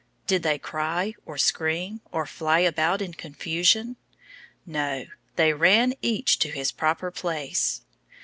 Did they cry, or scream, or fly about in confusion? No; they ran each to his proper place.